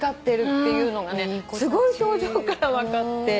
すごい表情から分かって。